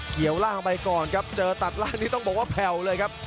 เกี่ยวล่างไปก่อนครับเจอตัดล่างนี้ต้องบอกว่าแผ่วเลยครับ